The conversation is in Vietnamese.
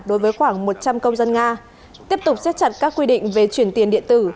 đối với khoảng một trăm linh công dân nga tiếp tục xếp chặt các quy định về chuyển tiền điện tử